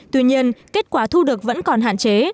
tuy nhiên kết quả thu được vẫn còn hạn chế